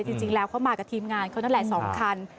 จริงแล้วเขามากับทีมงานเขานั่นแหละ๒คัน